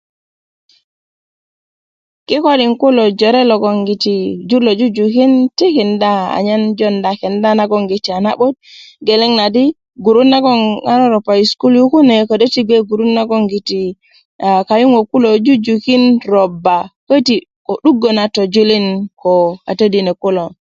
kikolin kulo jore logoŋgiti jur lo jujukin tikinda anyen joonda kenda nagoŋgiti na'but geleŋ na di gurut nagoŋ na roropa yi sukulu yu kune gbe grut nagon kayuŋök jujukin robba köti ko duggö na tojulin ko katodinök kulo